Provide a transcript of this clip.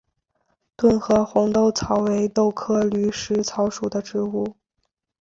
顿河红豆草为豆科驴食草属的植物。